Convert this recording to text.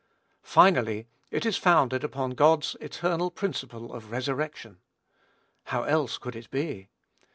Finally, it is founded upon God's eternal principle of resurrection. How else could it be?